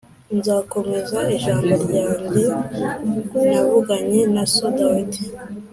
nzakomeza ijambo ryanjye navuganye na so Dawidi